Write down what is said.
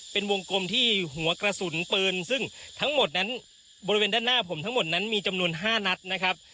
เป็นวงกลมที่หัวกระสุนปืนซึ่งทั้งหมดนั้นบริเวณด้านหน้าผมทั้งหมดนั้นมีจำนวน๕นัดนะครับ